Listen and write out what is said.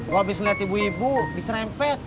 gua abis liat ibu ibu diserempet